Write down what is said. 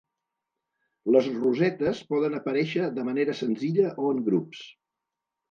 Les rosetes poden aparèixer de manera senzilla o en grups.